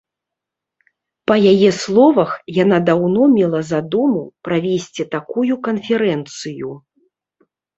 Па яе словах, яна даўно мела задуму правесці такую канферэнцыю.